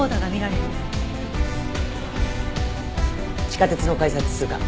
地下鉄の改札通過。